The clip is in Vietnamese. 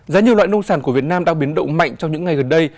giá nhiều loại nông sản của việt nam đang biến động mạnh trong những ngày gần đây